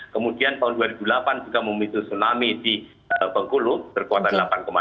kemudian tahun dua ribu delapan juga memicu tsunami di bengkulu berkuatan delapan tujuh